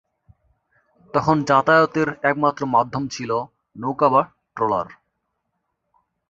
তখন যাতায়াতের একমাত্র মাধ্যম ছিল নৌকা বা ট্রলার।